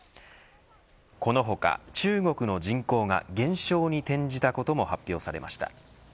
この他、中国の人口が減少に転じたことも発表されました。